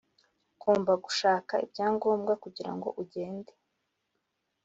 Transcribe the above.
ugomba gushaka ibyangombwa kugira ngo ugende.